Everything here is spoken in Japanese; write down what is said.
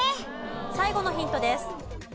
最後のヒントです。